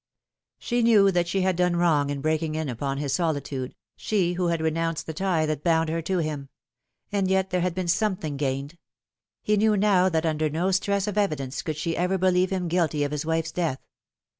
She knew that she had done wrong in breaking in upon his solitude, she who renounced the tie that bound her to him ; and yet there had been something gained. He knew now that under no stress of evidence could she ever believe him guilty of his wife's death.